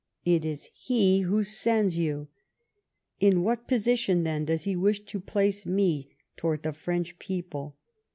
It is he who sends you ! In what i^osition, then, does he wish to place nio towards the Frencli people?